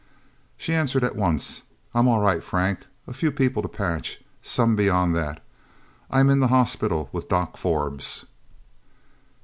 She answered at once. "I'm all right, Frank. A few people to patch. Some beyond that. I'm in the hospital with Doc Forbes..."